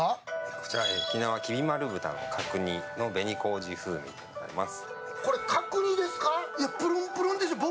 こちらは沖縄きび丸豚の角煮紅麹風でございます。